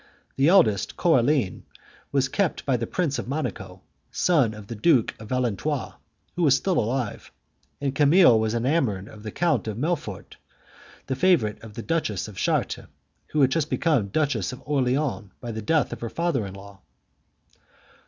The eldest, Coraline, was kept by the Prince of Monaco, son of the Duke of Valentinois, who was still alive; and Camille was enamoured of the Count of Melfort, the favourite of the Duchess of Chartres, who had just become Duchess of Orleans by the death of her father in law.